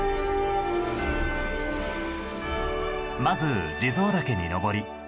まず地蔵岳に登り